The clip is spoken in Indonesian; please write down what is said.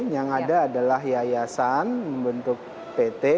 yang ada adalah yayasan membentuk pt